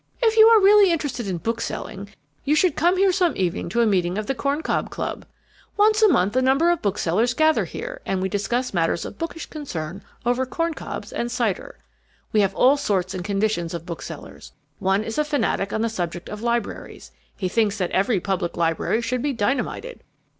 "If you are really interested in bookselling you should come here some evening to a meeting of the Corn Cob Club. Once a month a number of booksellers gather here and we discuss matters of bookish concern over corn cobs and cider. We have all sorts and conditions of booksellers: one is a fanatic on the subject of libraries. He thinks that every public library should be dynamited.